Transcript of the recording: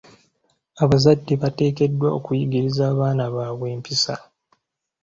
Abazadde bateekeddwa okuyigiriza abaana baabwe empisa.